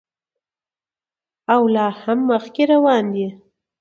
او لا هم مخکې روان دی.